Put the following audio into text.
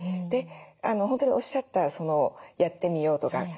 で本当におっしゃった「やってみよう」とか。